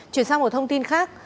chuyển sang một thông tin khác